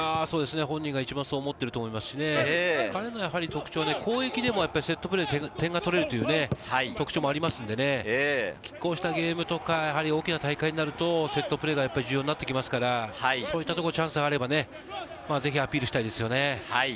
本人が一番そう思ってるでしょうし、攻撃でもセットプレーで得点が取れるという特徴もありますのでね、こうしたゲームとか、大きな大会になるとセットプレーが重要になってきますから、チャンスがあればぜひアピールしたいですね。